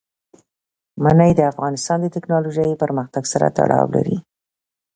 منی د افغانستان د تکنالوژۍ پرمختګ سره تړاو لري.